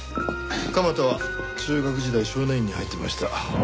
鎌田は中学時代少年院に入ってました。